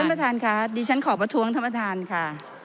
ประธานค่ะดิฉันขอประท้วงท่านประธานค่ะ